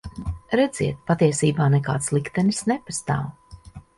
Redziet, patiesībā nekāds liktenis nepastāv.